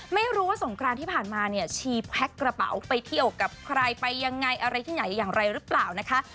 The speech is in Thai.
ไม่รู้ว่าสงครานที่ผ่านมาเนี่ยชีแพ็คกระเป๋าไปเที่ยวกับใครไปยังไงอะไรที่ไหนอย่างไรหรือเปล่านะคะ